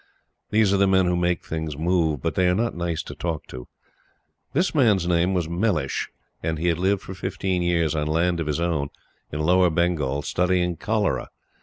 These are the men who make things move; but they are not nice to talk to. This man's name was Mellish, and he had lived for fifteen years on land of his own, in Lower Bengal, studying cholera.